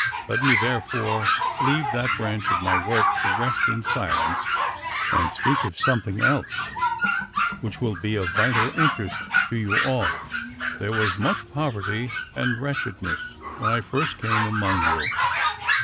Let me, therefore, leave that branch of my work to rest in silence, and speak of something else, which will be of vital 282 DOCTOR SYN interest to you all. There was much poverty and wretchedness when I first came among you.